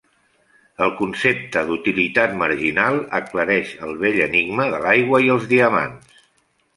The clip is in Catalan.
El concepte d'utilitat marginal aclareix el vell enigma de l'aigua i els diamants.